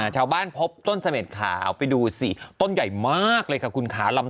ชาวบ้านพบต้นสะเม็ดขาวไปดูสิต้นใหญ่มากเลยคุณขา